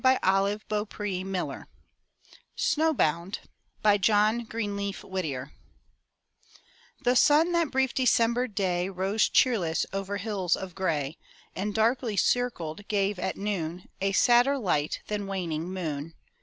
252 FROM THE TOWER WINDOW SNOW BOUND* John Greenleaf Whittier The sun that brief December day Rose cheerless over hills of gray, And, darkly circled, gave at noon A sadder light than waning moon.